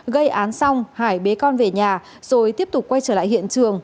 gây án xong hải bế con về nhà rồi tiếp tục quay trở lại hiện trường